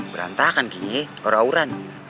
berantakan kini uran uran